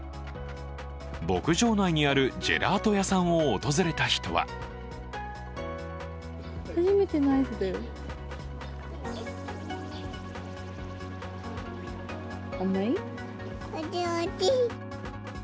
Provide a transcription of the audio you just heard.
牧場内にあるジェラート屋さんを訪れた人はおいしい。